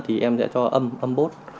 thì em sẽ cho âm bốt